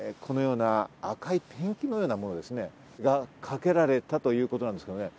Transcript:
奥も同じように、このような赤いペンキのようなものがかけられたということなんですね。